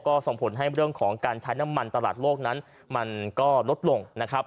ก็ส่งผลให้เรื่องของการใช้น้ำมันตลาดโลกนั้นมันก็ลดลงนะครับ